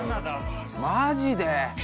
マジで？